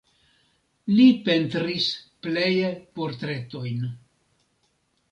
Li pentris pleje portretojn.